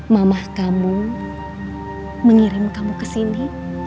mama kamu mengirim kamu kesini